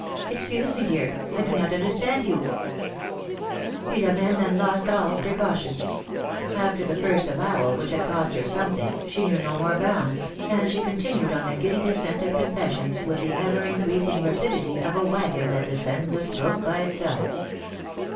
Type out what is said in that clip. Excuse me, dear, I do not understand you !" Philom^ne then lost all precaution ; after the first avowal, which had cost her something, she knew no more bounds, and she continued on the giddy descent of confessions, with the ever increasing rapidity of a wagon that descends a slope by itself.